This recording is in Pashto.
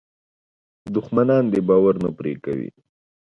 دښمنان دې باور نه پرې کوي.